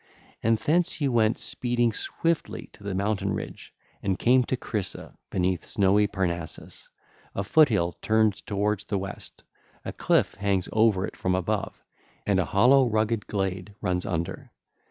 And thence you went speeding swiftly to the mountain ridge, and came to Crisa beneath snowy Parnassus, a foothill turned towards the west: a cliff hangs over it from above, and a hollow, rugged glade runs under.